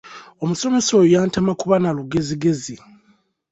Omusomesa oyo yantama kuba na lugezigezi.